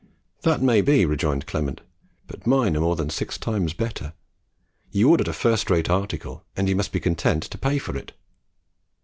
"That may be;" rejoined Clement, "but mine are more than six times better. You ordered a first rate article, and you must be content to pay for it."